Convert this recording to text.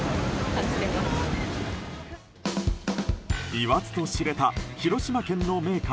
言わずと知れた広島県の銘菓